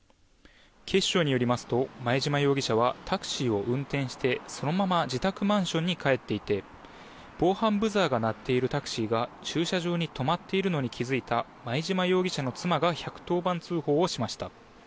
警視庁によりますと前嶋容疑者はタクシーを運転してそのまま自宅マンションに帰っていて防犯ブザーが鳴っているタクシーが駐車場に止まっているのに気付いた前嶋容疑者の妻が１１０番通報をしました。